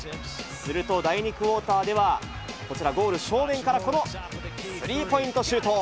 すると第２クオーターでは、こちらゴール正面からこのスリーポイントシュート。